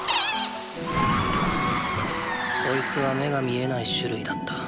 そいつは目が見えない種類だった。